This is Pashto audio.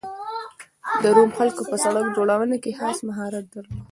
د روم خلکو په سړک جوړونه کې خاص مهارت درلود